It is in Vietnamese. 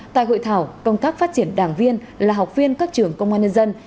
tại hội thảo công tác phát triển đảng viên là học viên các trường công an nhân dân